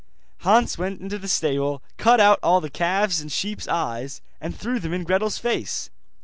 Hans went into the stable, cut out all the calves' and sheep's eyes, and threw them in Gretel's face.